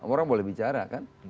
orang boleh bicara kan